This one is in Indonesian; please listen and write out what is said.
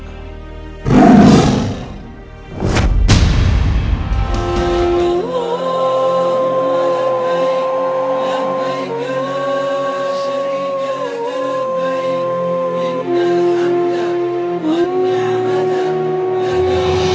terima kasih ya allah